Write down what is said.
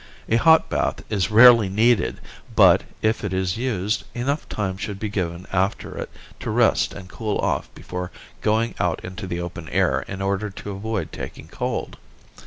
A hot bath is rarely needed but, if it is used, enough time should be given after it to rest and cool off before going out into the open air in order to avoid taking cold.